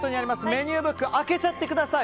メニューブックを開けちゃってください。